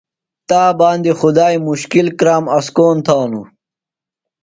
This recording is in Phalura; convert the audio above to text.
تا باندیۡ خدائی مُشکِل کرام اسکون تھانوۡ۔